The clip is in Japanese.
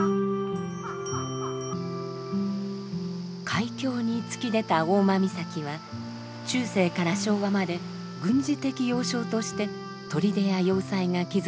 海峡に突き出た大間岬は中世から昭和まで軍事的要衝として砦や要塞が築かれてきました。